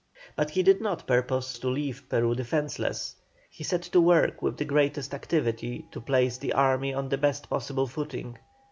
But he did not purpose to leave Peru defenceless. He set to work with the greatest activity to place the army on the best possible footing.